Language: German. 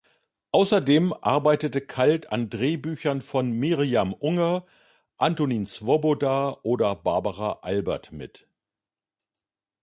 Außerdem arbeitete Kalt an Drehbüchern von Mirjam Unger, Antonin Svoboda oder Barbara Albert mit.